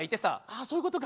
あそういうことか！